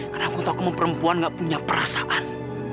karena aku tahu kamu perempuan gak punya perasaan